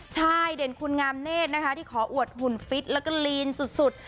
ใช่เด่นคุณงามเนธนะคะที่ขออวดหุ่นฟิตแล้วก็ลีนสุด